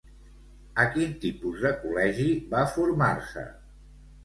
A quin tipus de col·legi va formar-se?